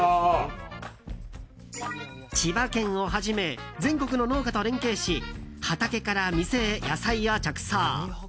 千葉県をはじめ、全国の農家と連携し、畑から店へ野菜を直送。